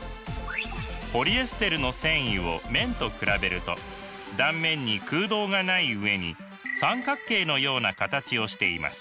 ポリエステルの繊維を綿と比べると断面に空洞がない上に三角形のような形をしています。